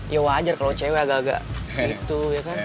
ya wajar kalau cewek agak agak gitu ya kan